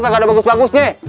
gak ada bagus bagusnya